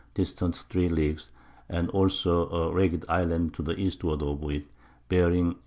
distant 3 Leagues, as also a ragged Island to the Eastward of it, bearing E.